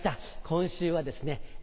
今週はですね